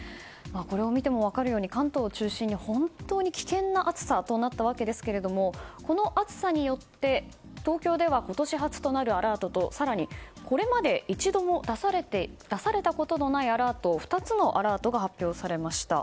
これを見ても分かるように関東を中心に本当に危険な暑さとなったわけですけれどもこの暑さによって東京では今年初となるアラートと更に、これまで一度も出されたことないアラートと２つのアラートが発表されました。